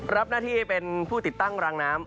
รับหน้าที่เป็นผู้ติดตั้งรางน้ำ